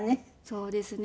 そうですね。